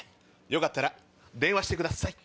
よかったら電話してください。